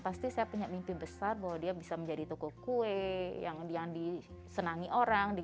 pasti saya punya mimpi besar bahwa dia bisa menjadi toko kue yang disenangi orang